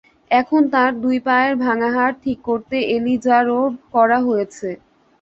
এখন তাঁর দুই পায়ের ভাঙা হাড় ঠিক করতে এলিজারোভ করা হয়েছে।